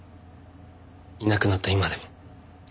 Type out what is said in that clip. いなくなった今でも。